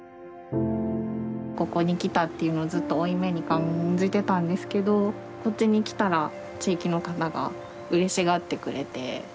ここに来たっていうのをずっと負い目に感じてたんですけどこっちに来たら地域の方がうれしがってくれて。